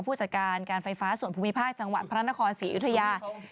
ผู้จัดการการไฟฟ้าส่วนภูมิภาคจังหวัดพระนครศรีอยุธยา